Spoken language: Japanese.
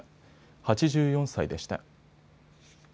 ８４歳でした。